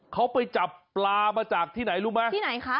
เขาไปจับปลามาจากที่ไหนรู้ไหม